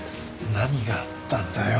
何があったんだよ。